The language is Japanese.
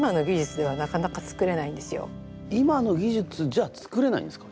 今の技術じゃつくれないんですか？